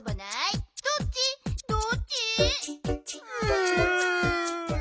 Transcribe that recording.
うん。